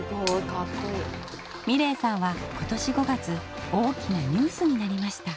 美礼さんは今年５月大きなニュースになりました。